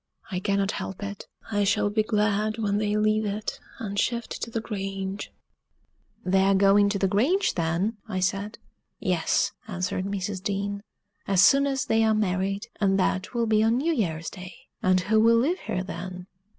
I cannot help it; I shall be glad when they leave it and shift to the Grange! "They are going to the Grange, then?" I said. "Yes," answered Mrs. Dean, "as soon as they are married; and that will be on New Year's day." "And who will live here then?"